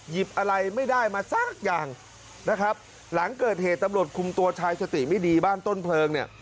อะไรไม่ได้มาสักอย่างนะครับหลังเกิดเหตุตำรวจคุมตัวชายสติไม่ดีบ้านต้นเพลิงเนี่ย